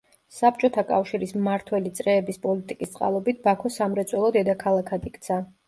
საბჭოთა კავშირის მმართველი წრეების პოლიტიკის წყალობით ბაქო სამრეწველო დედაქალაქად იქცა.